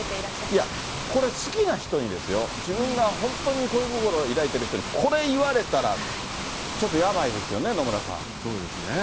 いや、これ、好きな人にですよ、自分が本当に恋心を抱いてる人に、これ言われたら、ちょっとやばいですよね、そうですね。